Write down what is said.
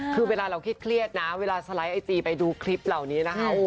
คือเวลาเราเครียดนะเวลาสไลด์ไอจีไปดูคลิปเหล่านี้นะคะ